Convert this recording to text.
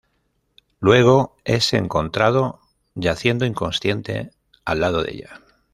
Luego, es encontrado yaciendo inconsciente al lado de ella.